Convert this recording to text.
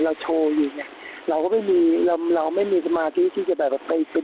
เราโชว์อยู่ไงเราก็ไม่มีเราเราไม่มีสมาธิที่จะแบบไปซื้อ